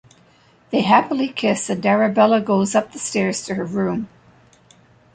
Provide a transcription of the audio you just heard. They happily kiss and Arabella goes up the stairs to her room.